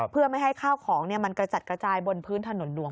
เพื่อไม่ให้ข้าวของมันกระจัดกระจายบนพื้นถนนหลวง